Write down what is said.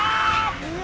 うわ！